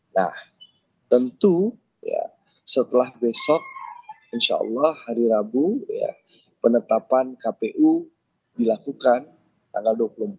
nah tentu ya setelah besok insya allah hari rabu penetapan kpu dilakukan tanggal dua puluh empat